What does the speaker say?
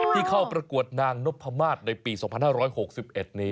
ที่เข้าประกวดนางนพมาศในปี๒๕๖๑นี้